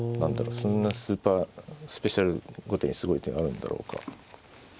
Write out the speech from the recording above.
そんなスーパースペシャル後手にすごい手があるんだろうか。